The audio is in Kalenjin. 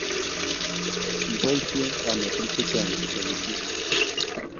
Ki boisie kamet tuguk che chang kechopisie